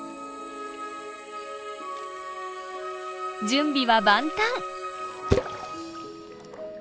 準備は万端！